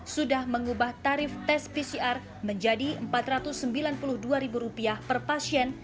sudah mengubah tarif tes pcr menjadi rp empat ratus sembilan puluh dua per pasien